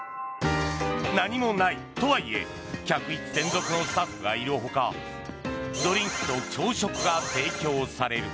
何もないとはいえ客室専属のスタッフがいるほかドリンクと朝食が提供される。